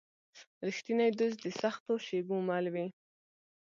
رښتینی دوست د سختو شېبو مل وي.